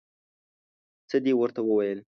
څه دې ورته وویل؟